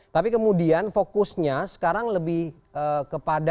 tapi kemudian fokusnya sekarang lebih kepada